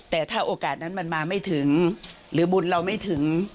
แต่ถ้าโอกาสนั้นมันมาไม่ถึงหรือบุญเราไม่ถึง